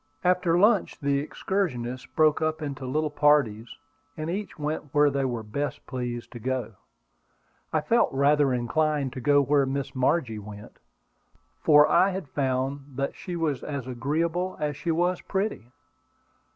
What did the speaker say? After the lunch the excursionists broke up into little parties, and each went where they were best pleased to go. I felt rather inclined to go where Miss Margie went, for I had found she was as agreeable as she was pretty.